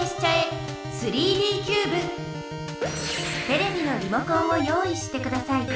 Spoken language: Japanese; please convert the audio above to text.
テレビのリモコンを用意してください。